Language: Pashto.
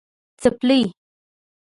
🩴څپلۍ